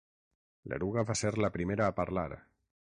L'eruga va ser la primera a parlar.